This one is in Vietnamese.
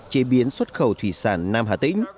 chế biến xuất khẩu thủy sản nam hà tĩnh